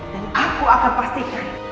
dan aku akan pastikan